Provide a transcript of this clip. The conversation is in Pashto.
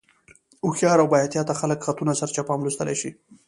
هوښیار او بااحتیاطه خلک خطونه سرچپه هم لوستلی شي.